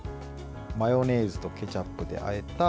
マヨネーズとケチャップであえた